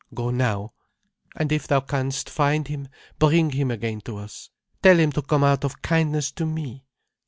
Go now. And if thou can'st find him, bring him again to us. Tell him to come out of kindness to me.